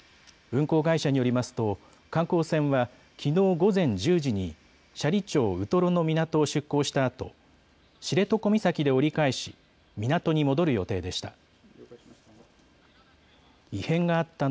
運航会社によりますと観光船はきのう午前１０時に斜里町ウトロの港を出港したあと知床岬で折り返し、港に戻る予定でした。